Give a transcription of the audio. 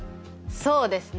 そうですね！